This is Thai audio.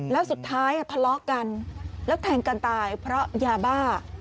แล้วสุดท้ายทะเลาะกันแล้วแทงกันตายเพราะยาบ้า